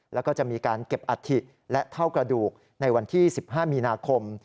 แล้วก็จะมีการเก็บอัฐิและเท่ากระดูกในวันที่๑๕มีนาคม